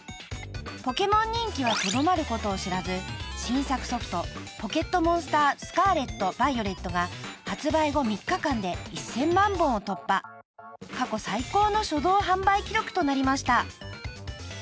［『ポケモン』人気はとどまることを知らず新作ソフト『ポケットモンスタースカーレット・バイオレット』が］［過去最高の初動販売記録となりました］